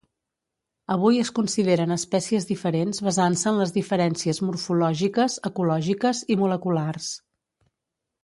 Avui es consideren espècies diferents basant-se en les diferències morfològiques, ecològiques i moleculars.